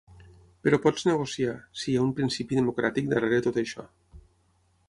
Però pots negociar, si hi ha un principi democràtic darrere tot això.